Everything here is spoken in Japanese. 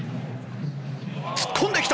突っ込んできた！